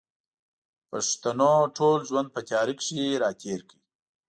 پښتنو ټول ژوند په تیاره کښې را تېر کړ